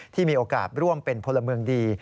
ที่มีโอกาสร่วมเป็นพลเมืองดี